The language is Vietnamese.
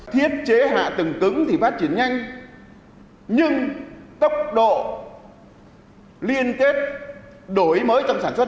thiết chế hạ tầng cứng thì phát triển nhanh nhưng tốc độ liên kết đổi mới trong sản xuất